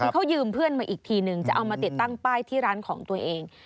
คือเขายืมเพื่อนมาอีกทีนึงจะเอามาติดตั้งป้ายที่ร้านของตัวเอง